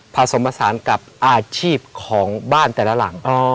ผสมผสานกับอาชีพของบ้านแต่ละหลัง